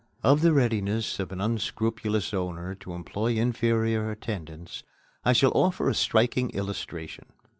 Of the readiness of an unscrupulous owner to employ inferior attendants, I shall offer a striking illustration.